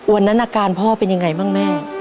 วันนั้นอาการพ่อเป็นยังไงบ้างแม่